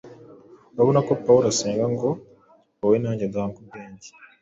Murabona ko Paulo asenga ngo wowe nanjye duhabwe ubwenge